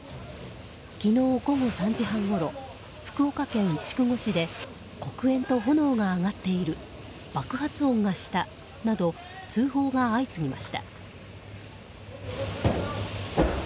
昨日午後３時半ごろ福岡県筑後市で黒煙と炎が上がっている爆発音がしたなど通報が相次ぎました。